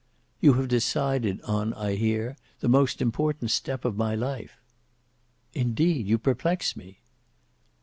"You have decided on I hear the most important step of my life." "Indeed you perplex me."